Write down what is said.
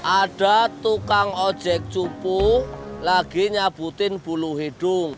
ada tukang ojek cupu lagi nyabutin bulu hidung